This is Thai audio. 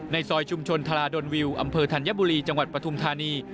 ซอยชุมชนทราดนวิวอำเภอธัญบุรีจังหวัดปฐุมธานี